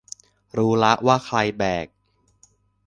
รู้ละว่าใครแบก